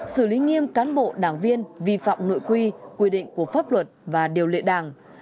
xử lý nghiêm cán bộ đảng viên vi phạm nội quy quy định của pháp luật và điều lệ đảng